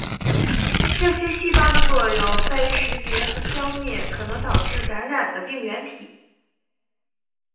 这些细胞的作用在于识别和消灭可能导致感染的病原体。